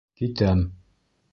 Китәм.